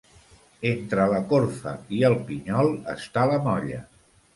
Entre la corfa i el pinyol està la molla.